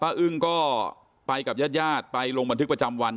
อึ้งก็ไปกับญาติญาติไปลงบันทึกประจำวัน